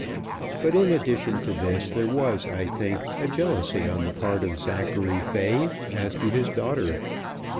But in addition to this there was, I think, a jealousy on the part of Zachary Fay as to his daughter.